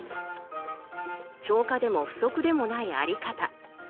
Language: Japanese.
超過でも不足でもないあり方。